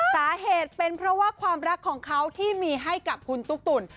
สาเหตุเป็นเพราะว่าความรักของเขาที่มีให้กับคุณตุ๊กตุ๋น